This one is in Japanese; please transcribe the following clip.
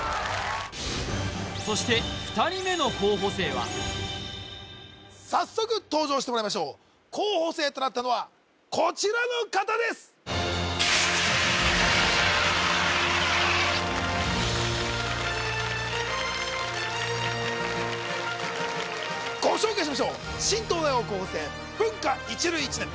そして２人目の候補生は早速登場してもらいましょう候補生となったのはこちらの方ですご紹介しましょう新東大王候補生文科一類１年